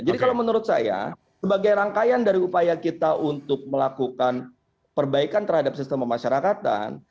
jadi kalau menurut saya sebagai rangkaian dari upaya kita untuk melakukan perbaikan terhadap sistem pemasyarakatan